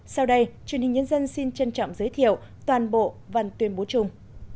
sau đây truyền hình nhân dân xin trân trọng giới thiệu toàn bộ văn tuyên bố chung